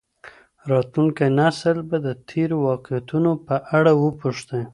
راتلونکی نسل به د تېرو واقعیتونو په اړه وپوښتي.